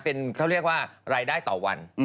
เป็นเขาเรียกว่ารายได้ต่อวัน